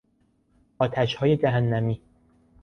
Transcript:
آتشهای جهنمی